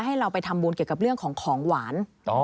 ให้เราไปทำบุญเกี่ยวกับเรื่องของของหวาน